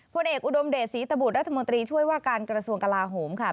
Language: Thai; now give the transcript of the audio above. ผลเอกอุดมเดชศรีตบุตรรัฐมนตรีช่วยว่าการกระทรวงกลาโหมค่ะ